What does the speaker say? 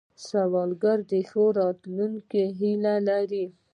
سوالګر د ښې راتلونکې هیله لري